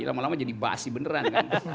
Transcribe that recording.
lama lama jadi basi beneran kan